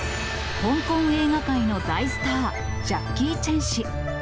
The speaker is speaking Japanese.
香港映画界の大スター、ジャッキー・チェン氏。